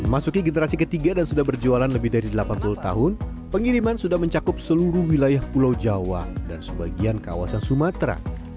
masuki generasi ketiga dan sudah berjualan lebih dari delapan puluh tahun pengiriman sudah mencakup seluruh wilayah pulau jawa dan sebagian kawasan sumatera